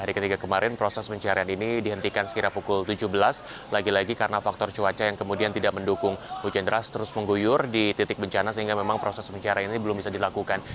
hari ketiga kemarin proses pencarian ini dihentikan sekira pukul tujuh belas lagi lagi karena faktor cuaca yang kemudian tidak mendukung hujan deras terus mengguyur di titik bencana sehingga memang proses pencarian ini belum bisa dilakukan